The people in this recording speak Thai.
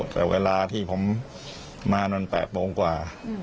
แต่เวลาที่ผมมานั่น๘โมงกว่า